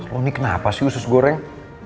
lo ini kenapa sih usus goreng